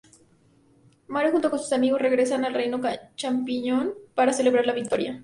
Mario junto con sus amigos, regresan al Reino Champiñón para celebrar la victoria.